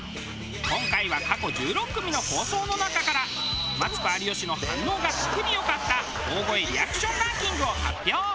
今回は過去１６組の放送の中からマツコ有吉の反応が特に良かった大声リアクションランキングを発表。